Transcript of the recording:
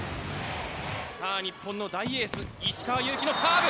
さあ、日本の大エース、石川祐希のサーブ。